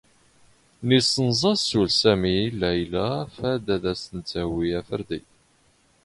Iⵉⵙⵙⵏⵥⴰ ⵙⵓⵍ ⵙⴰⵎⵉ ⵍⴰⵢⵍⴰ ⴼⴰⴷ ⴰⴷ ⴰⵙ ⴷ ⵜⴰⵡⵉ ⴰⴼⵔⴷⵉ.